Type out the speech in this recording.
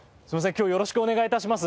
今日はよろしくお願い致します。